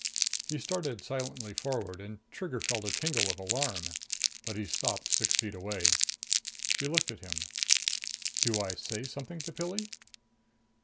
He started silently forward and Trigger felt a tingle of alarm. But he stopped six feet away. She looked at him. "Do I say something to Pilli?"